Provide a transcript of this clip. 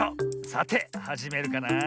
さてはじめるかなあ。